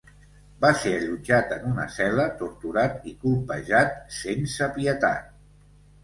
Va ser allotjat en una cel·la, torturat i colpejat sense pietat.